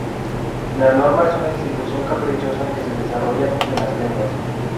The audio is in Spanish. La norma es una institución caprichosa que se desarrolla en las lenguas.